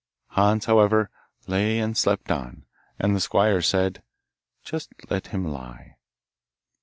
Hans, however, lay and slept on, and the squire said, 'Just let him lie.